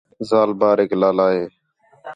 ذال باریک لالا ہِے